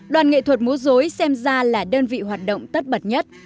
đoàn nghệ thuật múa dối xem ra là đơn vị hoạt động tất bật nhất